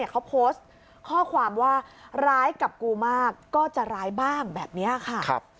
เขาโพสต์ข้อความว่าร้ายกับกูมากก็จะร้ายบ้างแบบนี้ค่ะ